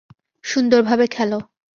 সুন্দর ভাবে খেলো।